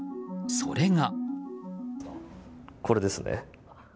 それが。